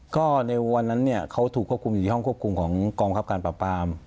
ก็ในวันนั้นเนี่ยเขาถูกควบคุมอยู่ที่ห้องควบคุมของกองคับการปราบปราม